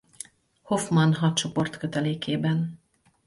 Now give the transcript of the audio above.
Hofmann-hadcsoport kötelékében.